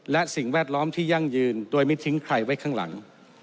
และสิ่งแวดล้อมที่ยั่งยืนโดยไม่ทิ้งใครไว้ข้างหลัง